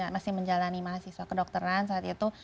masih menjalani mahasiswa kedokteran saat itu